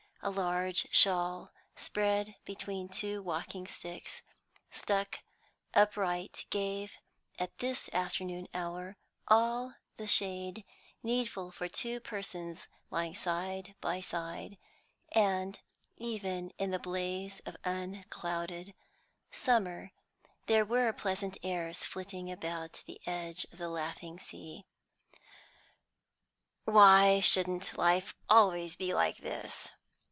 A large shawl spread between two walking sticks stuck upright gave, at this afternoon hour, all the shade needful for two persons lying side by side, and, even in the blaze of unclouded summer, there were pleasant airs flitting about the edge of the laughing sea. "Why shouldn't life be always like this?